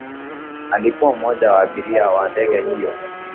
alikuwa mmoja wa abiria wa ndege hiyo